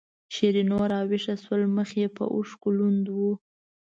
شیرینو راویښه شوه مخ یې په اوښکو لوند و.